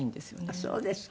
あっそうですか。